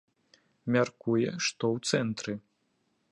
Мяркуе, што ў цэнтры.